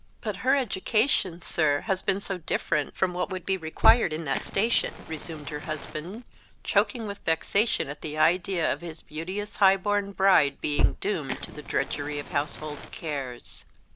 "But her education, sir, has been so different from what would be required in that station," resumed her husband, choking with vexation, at the idea of his beauteous high born bride being doomed to the drudgery of household cares.